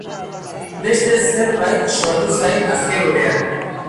Beste zerbait sortu zait azken unean.